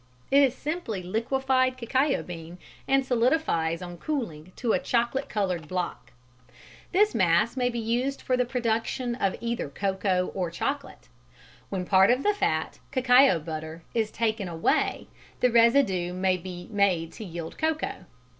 It is simply liquified cacao bean, and solidifies on cooling to a chocolate coloured block. [Illustration: SECTION THROUGH GRINDING STONES.] This "mass" may be used for the production of either cocoa or chocolate. When part of the fat (cacao butter) is taken away the residue may be made to yield cocoa.